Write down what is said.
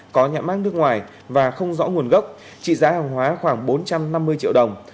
có nhãn mát nước ngoài và không rõ nguồn gốc trị giá hàng hóa khoảng bốn trăm năm mươi triệu đồng